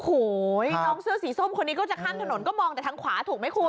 โอ้โหน้องเสื้อสีส้มคนนี้ก็จะข้ามถนนก็มองแต่ทางขวาถูกไหมคุณ